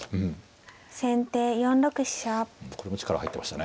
これも力入ってましたね。